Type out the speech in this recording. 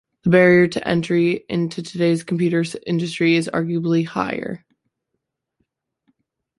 The barrier to entry in today's computer industry is arguably higher.